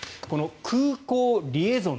空港リエゾン。